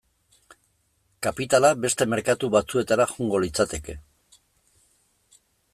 Kapitala beste merkatu batzuetara joango litzateke.